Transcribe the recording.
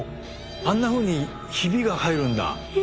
あんなふうにヒビが入るんだ！